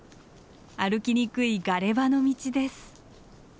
歩きにくいガレ場の道です。